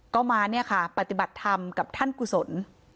ก็มาปฏิบัติธรรมกับท่านกุศล